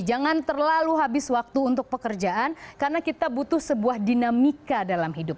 jangan terlalu habis waktu untuk pekerjaan karena kita butuh sebuah dinamika dalam hidup